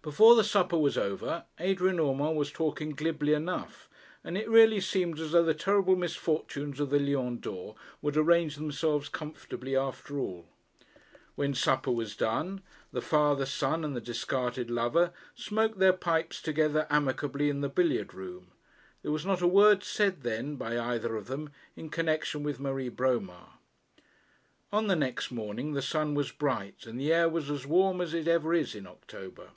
Before the supper was over, Adrian Urmand was talking glibly enough; and it really seemed as though the terrible misfortunes of the Lion d'Or would arrange themselves comfortably after all. When supper was done, the father, son, and the discarded lover smoked their pipes together amicably in the billiard room. There was not a word said then by either of them in connection with Marie Bromar. On the next morning the sun was bright, and the air was as warm as it ever is in October.